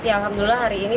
alhamdulillah hari ini